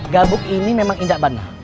gabuk ini memang indah bandar